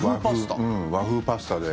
和風パスタで。